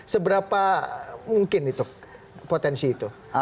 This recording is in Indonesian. seberapa mungkin itu potensi itu